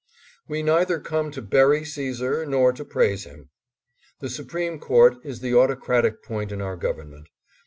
We neither come to bury Caesar nor to praise him. The Supreme Court is the autocratic point in our gov ernment.